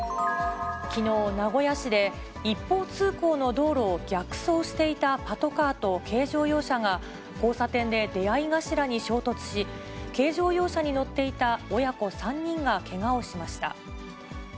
きのう、名古屋市で一方通行の道路を逆走していたパトカーと軽乗用車が、交差点で出会い頭に衝突し、軽乗用車に乗っていた親子３人がけがをしました。